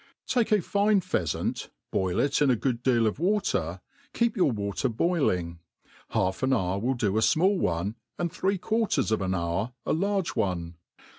TAKE a line f)heafatit, boil it in a good deal of water, keep yi^ur Water boiling % half an hour will do a fmall Me, and ttiret <)Uflrt«fs of an hbiir a large one.